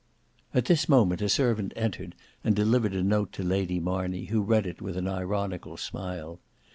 At this moment a servant entered and delivered a note to Lady Marney, who read it with an ironical smile.